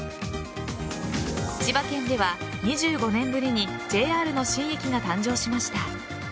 千葉県では２５年ぶりにＪＲの新駅が誕生しました。